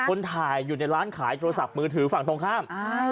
คนถ่ายอยู่ในร้านขายโทรศัพท์มือถือฝั่งตรงข้ามใช่